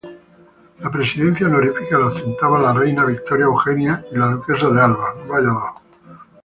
La presidencia honorífica la ostentaban la reina Victoria Eugenia y la Duquesa de Alba.